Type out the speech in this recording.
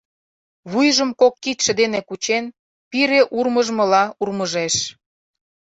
Вуйжым кок кидше дене кучен, пире урмыжмыла урмыжеш.